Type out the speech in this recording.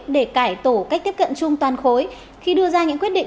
để cải tổ cách tiếp cận chung toàn khối khi đưa ra những quyết định